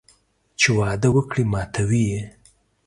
چې وعده وکړي ماتوي یې